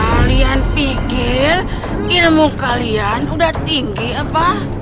kalian pikir ilmu kalian udah tinggi apa